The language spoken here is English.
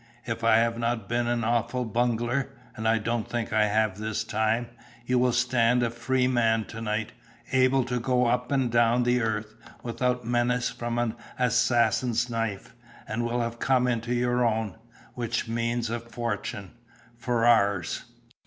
If I have not been an awful bungler and I don't think I have this time you will stand a free man to night, able to go up and down the earth without menace from the assassin's knife, and will have come into your own, which means a fortune. "'FERRARS.'"